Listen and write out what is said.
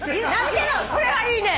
これはいいね。